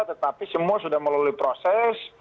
tetapi semua sudah melalui proses